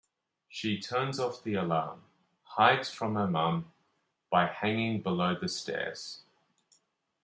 She turns off the alarm, hides from her mom, by hanging below the stairs.